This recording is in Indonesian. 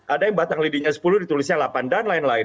ada yang batang lidinya sepuluh ditulisnya delapan dan lain lain